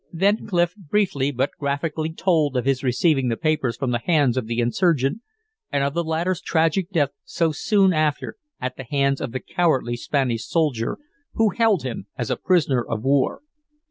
Then Clif briefly but graphically told of his receiving the papers from the hands of the insurgent and of the latter's tragic death so soon after at the hands of the cowardly Spanish soldier who held him as a prisoner of war.